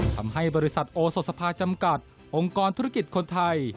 ทำให้บริษัทโอสดสภาจำกัดองค์กรธุรกิจคนไทย